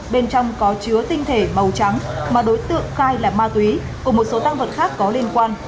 bên trong có chứa tinh thể màu trắng mà đối tượng khai là ma túy cùng một số tăng vật khác có liên quan